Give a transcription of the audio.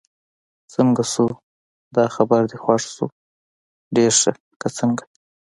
څنګه شو، دا خبر دې خوښ شو؟ ډېر ښه، که څنګه؟